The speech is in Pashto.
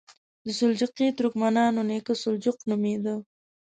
د سلجوقي ترکمنانو نیکه سلجوق نومېده.